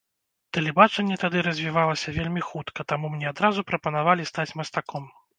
Тэлебачанне тады развівалася вельмі хутка, таму мне адразу прапанавалі стаць мастаком.